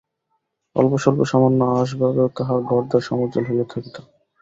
অল্পস্বল্প সামান্য আসবাবেও তাঁহার ঘরদ্বার সমুজ্জ্বল হইয়া থাকিত।